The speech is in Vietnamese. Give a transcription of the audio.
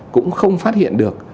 cũng không phát hiện được